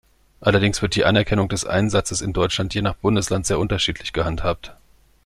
Allerdings wird die Anerkennung des Einsatzes in Deutschland je nach Bundesland sehr unterschiedlich gehandhabt.